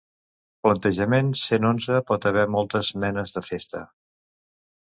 Plantejament cent onze pot haver moltes menes de festa.